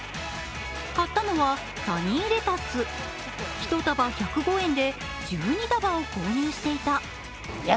買ったのはサニーレタス、１束１０５円で１２束を購入していた。